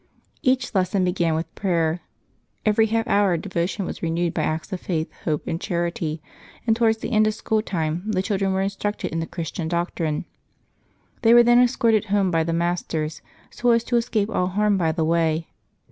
Each lesson began with prayer. Every half hour devotion was renewed by acts of faith, hope, and charity, and towards the end of school time the children were instructed in the Christian doctrine. They were then escorted home by the masters, so as to escape all harm by the way.